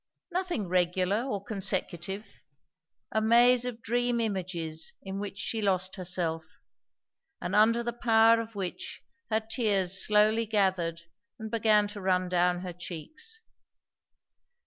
Nothing regular or consecutive; a maze of dream images in which she lost herself, and under the power of which her tears slowly gathered and began to run down her cheeks.